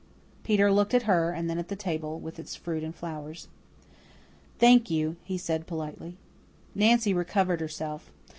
Peter looked at her and then at the table, with its fruit and flowers. "Thank you," he said politely. Nancy recovered herself.